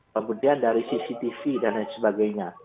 kemudian dari cctv dan lain sebagainya